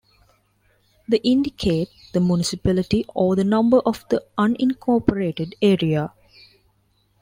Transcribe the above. The indicate the municipality or the number of the unincorporated area.